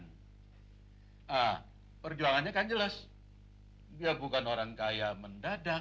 nah perjuangannya kan jelas dia bukan orang kaya mendadak